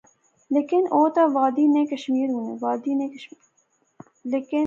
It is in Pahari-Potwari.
لیکن او تہ وادی نے کشمیری ہونے